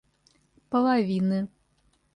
половины